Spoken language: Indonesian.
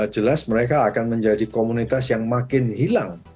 jelas mereka akan menjadi komunitas yang makin hilang